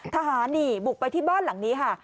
ทหารนี่บุกไปที่บ้านหลังนี้ค่ะ